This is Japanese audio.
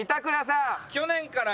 去年からですね